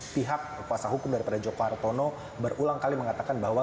pihak kuasa hukum daripada joko hartono berulang kali mengatakan bahwa